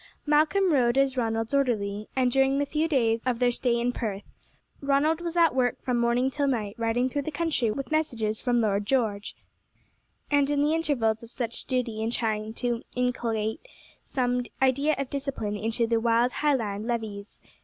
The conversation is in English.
Malcolm rode as Ronald's orderly, and during the few days of their stay in Perth, Ronald was at work from morning till night riding through the country with messages from Lord George, and in the intervals of such duty in trying to inculcate some idea of discipline into the wild Highland levies.